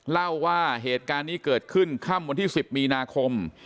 เล่าว่าเหตุการณ์นี้เกิดขึ้นค่ำวันที่๑๐มีนาคม